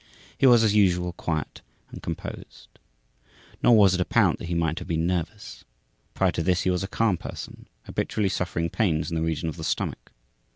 He was, as usual, quiet and composed. Nor was it apparent that he might have been nervous. Prior to this, he was a calm person, habitually suffering pains in the region of the stomach.